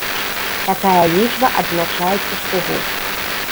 Такая лічба адзначаецца штогод.